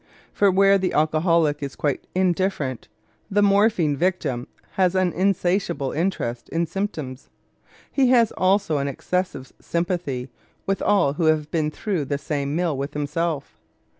For where the alcoholic is quite indifferent, the morphine victim has an insatiable interest in symptoms. He has also an excessive sympathy with all who have been through the same mill with himself.